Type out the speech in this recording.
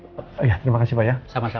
terima kasih pak ya